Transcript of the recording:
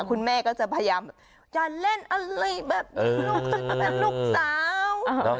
คุณแม่ก็จะพยายามแบบจะเล่นอะไรแบบลูกสาว